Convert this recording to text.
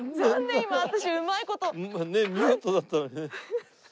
今ね見事だったのにね。